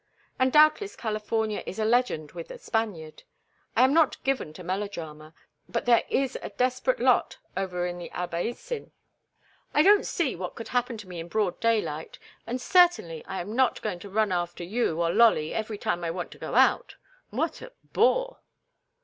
And doubtless California is a legend with the Spaniard. I am not given to melodrama, but there is a desperate lot over in the Albaicin." "I don't see what could happen to me in broad daylight, and certainly I am not going to run after you or 'Lolly' every time I want to go out. What a bore!"